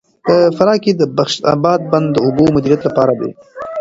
په فراه کې د بخش اباد بند د اوبو د مدیریت لپاره دی.